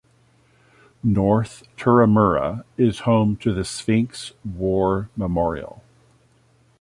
North Turramurra is home to the sphinx war memorial.